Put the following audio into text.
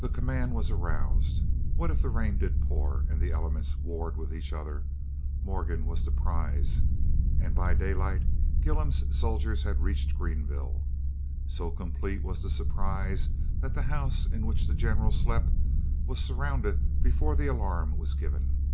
"The command was aroused. What if the rain did pour and the elements warred with each other? Morgan was the prize, and by daylight Gillem's soldiers had reached Greenville. So complete was the surprise that the house in which the General slept was surrounded before the alarm was given.